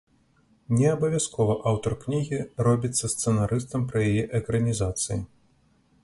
Неабавязкова аўтар кнігі робіцца сцэнарыстам пры яе экранізацыі.